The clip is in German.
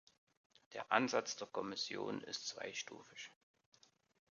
Der Ansatz der Kommission ist zweistufig.